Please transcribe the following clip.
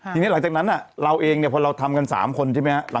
ทีนี้หลังจากนั้นเราเองเนี่ยพอเราทำกัน๓คนใช่ไหมครับ